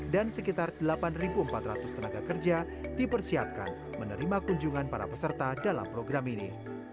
dan sekitar delapan empat ratus tenaga kerja dipersiapkan menerima kunjungan para peserta dalam program ini